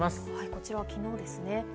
こちらは昨日ですね。